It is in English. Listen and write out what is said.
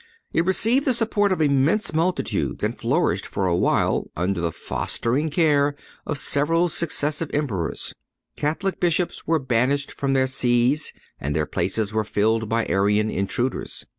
It received the support of immense multitudes, and flourished for awhile under the fostering care of several successive emperors. Catholic Bishops were banished from their sees, and their places were filled by Arian intruders.